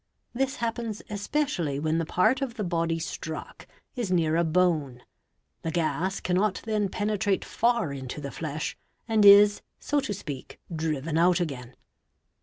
This happens especially when the part of the body struck is near a bone; the gas cannot then penetrate far into the flesh and is, so to speak, driven out again.